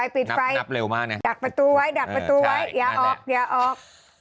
ปิดไฟนับเร็วมากเนี่ยใช่นั่นแหละดักประตูไว้อย่าออก